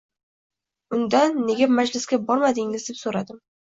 Undan nega majlisga bormadingiz, deb so‘radim.